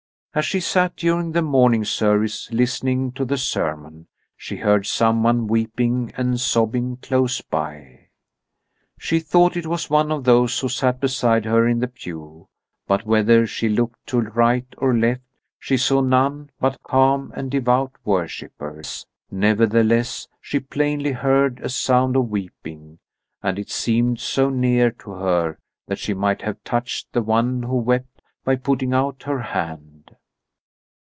As she sat during the morning service listening to the sermon, she heard someone weeping and sobbing close by. She thought it was one of those who sat beside her in the pew, but whether she looked to right or left she saw none but calm and devout worshippers. Nevertheless, she plainly heard a sound of weeping, and it seemed so near to her that she might have touched the one who wept by putting out her hand.